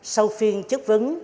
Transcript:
sau phiên chất vấn